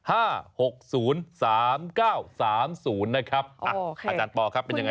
อาจารย์ปอลครับเป็นยังไง